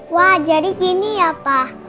wah jadi gini ya pak